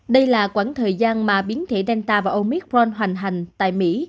đây là quãng thời gian mà biến thể danta và omicron hoành hành tại mỹ